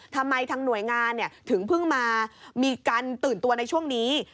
ทางหน่วยงานถึงเพิ่งมามีการตื่นตัวในช่วงนี้